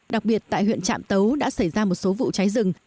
đặc biệt tại huyện trạm tấu đã xảy ra một số vụ cháy rừng